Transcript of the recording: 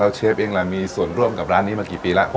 เชฟเองล่ะมีส่วนร่วมกับร้านนี้มากี่ปีแล้ว